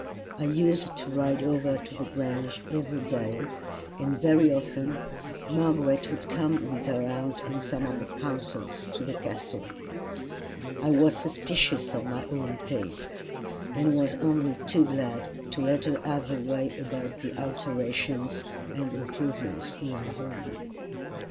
I used to ride over to the Grange every day, and very often Margaret would come with her aunt and some of her consuls to the Castle. I was suspicious of my own taste, and was only too glad to let her have her way about the alterations and improvements in our home.